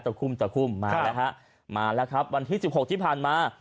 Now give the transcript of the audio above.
คุ่มตะคุ่มมาแล้วฮะมาแล้วครับวันที่สิบหกที่ผ่านมา